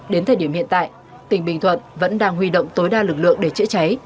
đến thời điểm hiện tại tỉnh bình thuận vẫn đang huy động tối đa lực lượng để chữa cháy